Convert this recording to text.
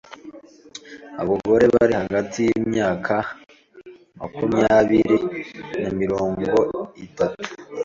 abagore bari hagati y’imyaka makumyabiri na mirongo itatu